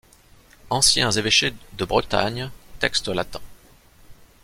Anciens évêchés de Bretagne, texte latin.